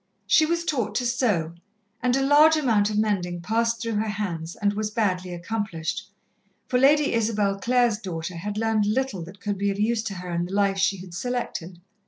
She was taught to sew, and a large amount of mending passed through her hands and was badly accomplished, for Lady Isabel Clare's daughter had learned little that could be of use to her in the life she had selected.